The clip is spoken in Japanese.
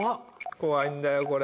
怖いんだよこれ。